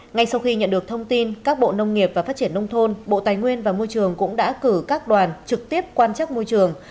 ngay sau khi nhận được thông tin các bộ nông nghiệp và phát triển nông thôn bộ tài nguyên và môi trường cũng đã cử các đoàn trực tiếp quan chắc môi trường